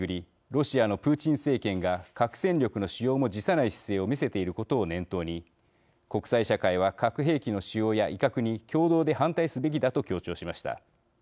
ロシアのプーチン政権が核戦力の使用も辞さない姿勢を見せていることを念頭に国際社会は核兵器の使用や威嚇に共同で反対すべきだと強調しました。